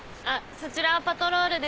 そちらはパトロールですか？